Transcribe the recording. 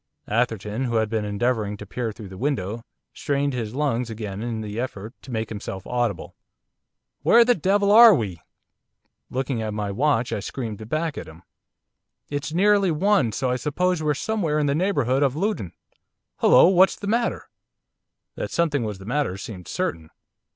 Atherton, who had been endeavouring to peer through the window, strained his lungs again in the effort to make himself audible. 'Where the devil are we?' Looking at my watch I screamed back at him. 'It's nearly one, so I suppose we're somewhere in the neighbourhood of Luton. Hollo! What's the matter?' That something was the matter seemed certain.